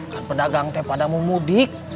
kan pedagang teh pada memudik